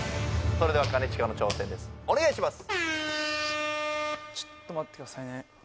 それでは兼近の挑戦ですお願いします